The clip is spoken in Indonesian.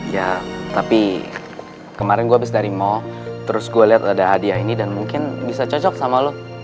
ya tapi kemarin gue habis dari mall terus gue liat ada hadiah ini dan mungkin bisa cocok sama lo